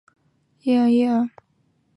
伊维耶尔。